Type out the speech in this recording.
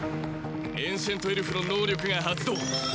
エンシェントエルフの能力が発動。